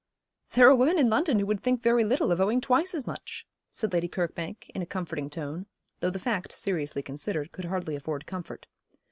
'There are women in London who would think very little of owing twice as much,' said Lady Kirkbank, in a comforting tone, though the fact, seriously considered, could hardly afford comfort.